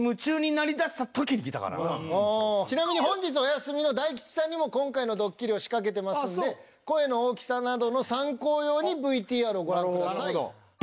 結構ちなみに本日お休みの大吉さんにも今回のドッキリを仕掛けてますんで声の大きさなどの参考用にＶＴＲをご覧ください。